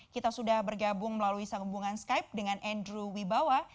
kita sudah bergabung melalui sambungan skype dengan andrew wibawa